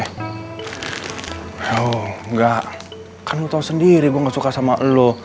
oh enggak kan lo tau sendiri gue gak suka sama lo